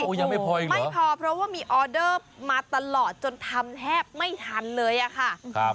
ยังไม่พออีกไม่พอเพราะว่ามีออเดอร์มาตลอดจนทำแทบไม่ทันเลยอะค่ะ